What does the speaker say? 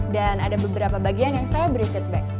dan ada beberapa bagian yang saya beri feedback